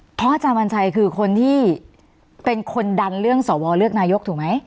เพราะอาจารย์วันชัยคือคนที่เป็นคนดันเรื่องสวเลือกนายกถูกไหม